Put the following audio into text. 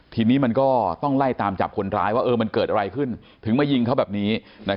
ทีนี้มันก็ต้องไล่ตามจับคนร้ายว่ามันเกิดอะไรขึ้นถึงมายิงเขาแบบนี้